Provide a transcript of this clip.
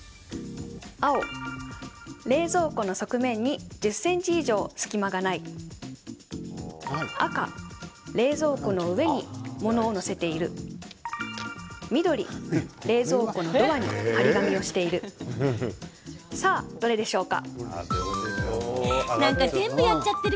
青・冷蔵庫の側面に１０ｃｍ以上、隙間がない赤・冷蔵庫の上に物を載せている緑・冷蔵庫のドアに貼り紙をしているさあ、どれでしょうか？